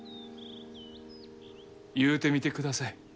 言うてみてください。